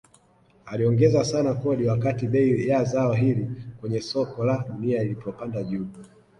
Aliongeza sana kodi wakati bei ya zao hili kwenye soko la dunia ilipopanda juu